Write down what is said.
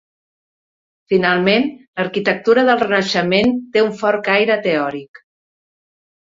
Finalment, l'arquitectura del Renaixement té un fort caire teòric.